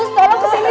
sus tolong kesini